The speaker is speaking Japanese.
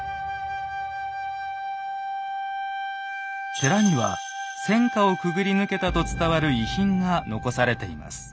寺には戦火をくぐり抜けたと伝わる遺品が残されています。